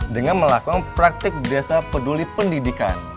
dengan melakukan praktik desa peduli pendidikan